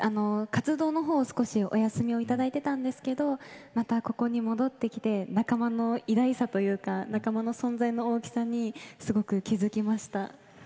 活動のほうを少しお休みをいただいていたんですけれどまたここに戻ってきて仲間の偉大さというか仲間の存在の大きさにすごく気付きました。